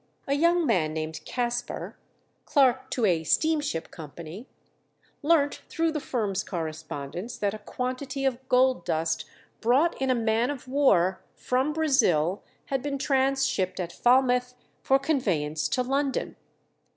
A young man named Caspar, clerk to a steam ship company, learnt through the firm's correspondence that a quantity of gold dust brought in a man of war from Brazil had been transhipped at Falmouth for conveyance to London.